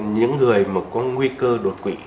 những người mà có nguy cơ đột quỵ